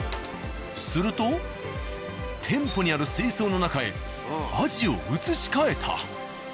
すると店舗にある水槽の中へアジを移し替えた。